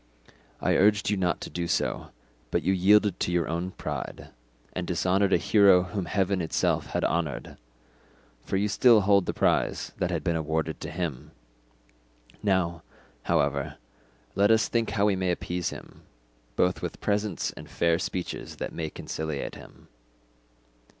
I urged you not to do so, but you yielded to your own pride, and dishonoured a hero whom heaven itself had honoured—for you still hold the prize that had been awarded to him. Now, however, let us think how we may appease him, both with presents and fair speeches that may conciliate him."